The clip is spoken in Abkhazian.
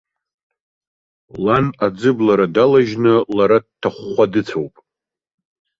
Лан аӡыблара далажьны, лара дҭахәхәа дыцәоуп.